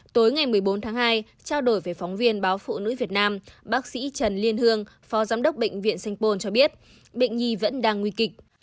tối ngày một mươi bốn tháng hai trao đổi với phóng viên báo phụ nữ việt nam bác sĩ trần liên hương phó giám đốc bệnh viện sanh pôn cho biết bệnh nhi vẫn đang nguy kịch